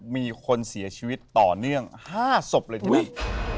มีคนเสียชีวิตต่อเนื่อง๕ศพเลยทีเดียว